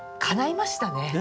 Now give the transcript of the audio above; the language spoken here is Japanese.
かないましたね